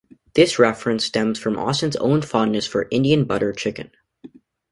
This reference stems from Austin's own fondness for Indian buttered chicken.